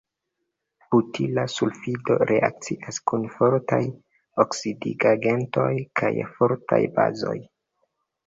Butila sulfido reakcias kun fortaj oksidigagentoj kaj fortaj bazoj.